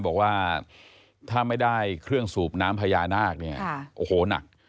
บอกว่าถ้าไม่ได้เครื่องสูบน้ำพญานาคเนี่ยโอ้โหหนัก